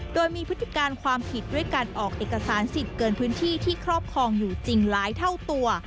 โดยมีพฤติการความผิดด้วยการออกเอกสารสิทธิ์เกินพื้นที่ที่ครอบครองอยู่จริงหลายเท่าตัว